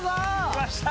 きました